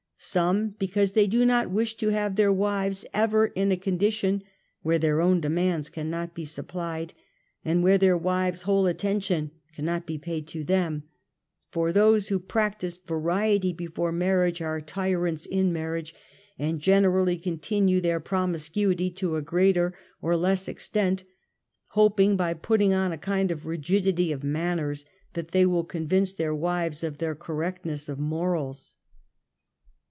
Some because they do not wish to have their wives ever in a condition where their own demands cannot be supplied, and where their wive's whole attention cannot be paid to them, for those who practice variety before marriage are tyrants in mar riage, and generally continue their promiscuity to a greater or less extent, hoping by putting on a kind •of rigidity of manners that they will convince their wives of their correctness of morals.